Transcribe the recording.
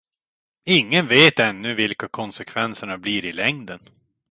Ingen vet ännu vilka konsekvenserna blir i längden.